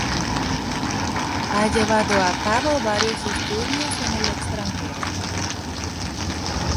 Ha llevado a cabo varios estudios en el extranjero.